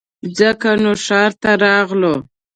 ځکه نو ښار ته راغلو